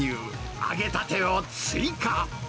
揚げたてを追加。